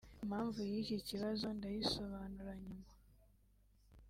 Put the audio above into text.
mpamvu y'iki kibazo ndayisobanura nyuma